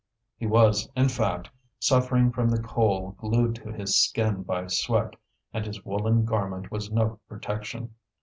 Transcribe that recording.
He was, in fact, suffering from the coal glued to his skin by sweat, and his woollen garment was no protection.